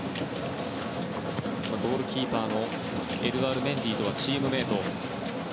ゴールキーパーのエドゥアール・メンディとはチームメート。